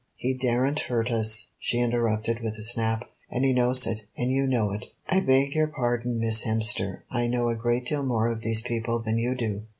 "He daren't hurt us," she interrupted with a snap, "and he knows it, and you know it." "I beg your pardon, Miss Hemster, I know a great deal more of these people than you do.